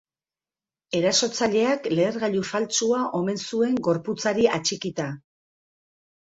Erasotzaileak lehergailu faltsua omen zuen gorputzari atxikita.